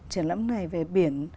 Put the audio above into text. triển lãm này về biển